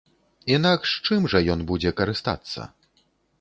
Інакш чым жа ён будзе карыстацца?